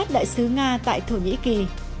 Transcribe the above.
đại sứ nga tại thổ nhĩ kỳ